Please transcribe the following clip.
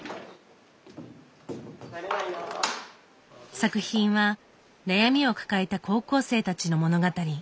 作品は悩みを抱えた高校生たちの物語。